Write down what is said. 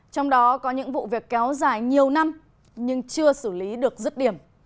trong đó có những vụ việc kéo dài nhiều năm nhưng chưa xử lý được dứt điểm